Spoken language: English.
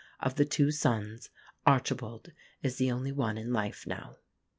Of the two sons, Archibald is the only one in life now."